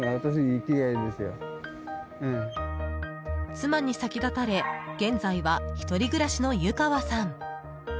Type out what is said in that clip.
妻に先立たれ現在は１人暮らしの湯川さん。